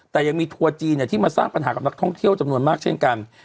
แต่ยังมีทัวร์จีนที่มาสร้างปัญหากับนักท่องเที่ยวจำนวนมากเช่นกัน